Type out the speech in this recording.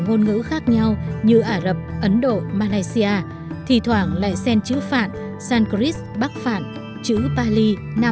ngôn ngữ khác nhau như ả rập ấn độ malaysia thì thoảng lại sen chữ phạn san cris bắc phạn chữ bali